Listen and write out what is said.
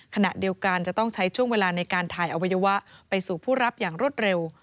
ขณะเดียวกันจะต้องใช้ช่วงเวลาในการถ่ายอวัยวะไปสู่ผู้รับอย่างรวดเร็ว